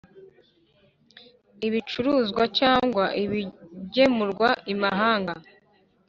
ibicuruzwa cyangwa ibigemurwa imahanga.